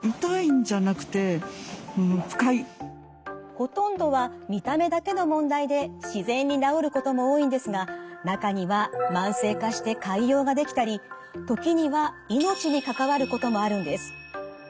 ほとんどは見た目だけの問題で自然に治ることも多いんですが中には慢性化して潰瘍が出来たり時には命に関わることもあるんです。